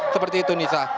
seperti itu nisa